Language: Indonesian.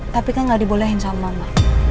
tapi kan nggak dibolehin sama mama